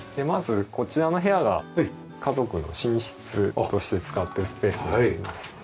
まずこちらの部屋が家族の寝室として使っているスペースになります。